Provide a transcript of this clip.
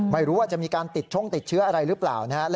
ไม่รู้ว่าจะมีการติดช่องติดเชื้ออะไรหรือเปล่านะครับ